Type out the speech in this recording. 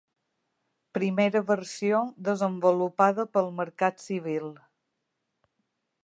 Primera versió desenvolupada pel mercat civil.